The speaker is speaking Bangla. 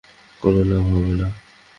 কোনো লাভ হবে না!